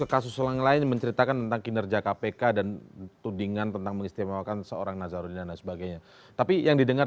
karena ada bap konfrontir